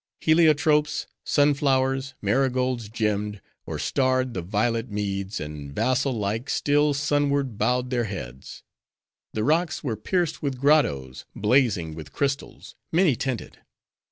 Heliotropes, sun flowers, marigolds gemmed, or starred the violet meads, and vassal like, still sunward bowed their heads. The rocks were pierced with grottoes, blazing with crystals, many tinted.